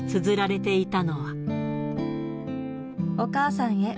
お母さんへ。